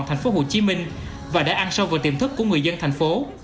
tp hcm và đã ăn sâu vào tiềm thức của người dân thành phố